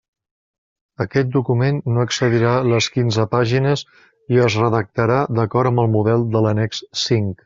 Aquest document no excedirà les quinze pàgines i es redactarà d'acord amb el model de l'annex cinc.